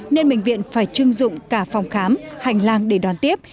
nên bệnh viện phải trưng dụng cả phòng khám hành lang để đoán tiếp